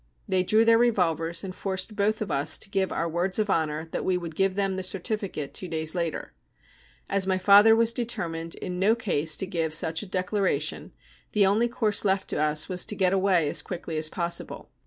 They drew their revolvers and forced both of us to give our words of honour that we would give them the certificate two days later. As my father was determined in no c*se to give such a declaration, the only course left to us was to get away as quickly as possible.